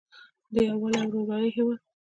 د یووالي او ورورولۍ هیواد.